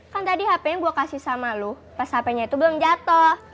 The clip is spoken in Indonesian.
kan tadi hpnya gua kasih sama lo pas hpnya itu belum jatoh